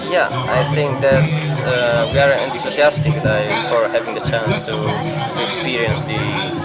ya saya pikir itu sangat menarik untuk memiliki kesempatan untuk mengalami